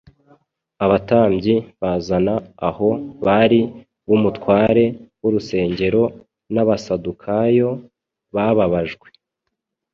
abatambyi bazana aho bari n’umutware w’urusengero, n’Abasadukayo, bababajwe